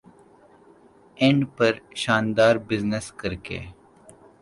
and پر شاندار business کرکے